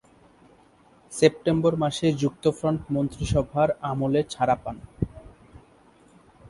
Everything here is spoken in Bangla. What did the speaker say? সেপ্টেম্বর মাসে যুক্তফ্রন্ট মন্ত্রীসভার আমলে ছাড়া পান।